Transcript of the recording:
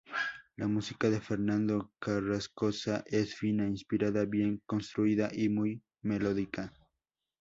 La música de Fernando Carrascosa es fina, inspirada, bien construida y muy melódica.